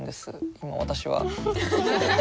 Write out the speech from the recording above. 今私は。